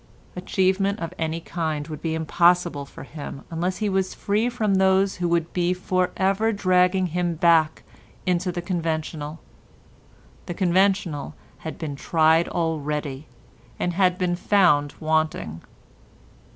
Achievement of any kind would be impossible for him unless he was free from those who would be for ever dragging him back into the conventional. The conventional had been tried already and had been found wanting.